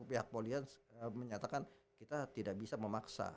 pihak polian menyatakan kita tidak bisa memaksa